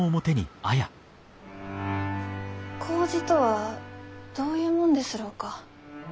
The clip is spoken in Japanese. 麹とはどういうもんですろうか？